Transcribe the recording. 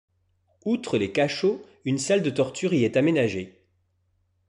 Outre les cachots, une salle de torture y est aménagée.